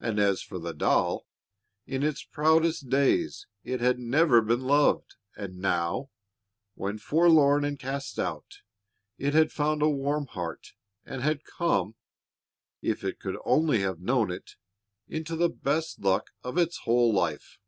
And as for the doll, in its proudest days it had never been loved, and now, when forlorn and cast out, it had found a warm heart, and had come, if it could only have known it, into the best luck of its whole life.